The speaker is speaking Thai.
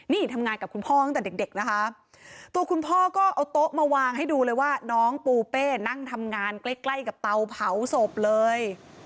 นี่ทำงานกับคุณพ่อตั้งแต่เด็กนะคะตัวคุณพ่อก็เอาโต๊ะมาวางให้ดูเลยว่าน้องปูเป้นั่งทำงานใกล้ใกล้กับเตาเผาศพเลย